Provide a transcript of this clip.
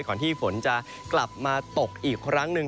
ที่ฝนจะกลับมาตกอีกครั้งหนึ่ง